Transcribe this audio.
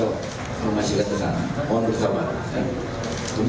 kemungkinan ada kemungkinan ada kemungkinan tapi kita tunggu waktunya